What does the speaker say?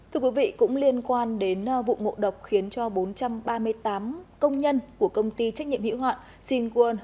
thưa quý vị cũng liên quan đến vụ ngộ độc khiến cho bốn trăm ba mươi tám công nhân của công ty trách nhiệm hữu hoạng sinh quân